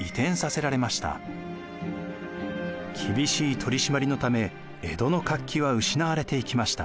厳しい取り締まりのため江戸の活気は失われていきました。